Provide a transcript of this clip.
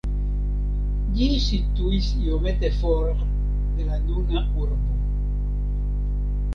Ĝi situis iomete for de la nuna urbo.